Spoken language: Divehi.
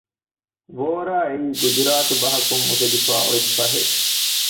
ވޯރާ އެއީ ގުޖުރާތު ބަހަކުން އުފެދިފައި އޮތް ބަހެއް